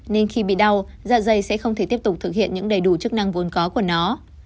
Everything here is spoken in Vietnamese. nên khi bị đau dạ dây sẽ không thể tiếp tục thực hiện những đầy đủ chức năng vốn có của nó